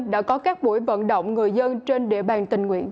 đã có các buổi vận động người dân trên địa bàn tình nguyện